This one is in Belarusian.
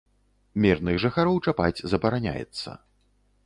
Мірных жыхароў чапаць забараняецца.